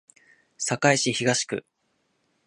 堺市東区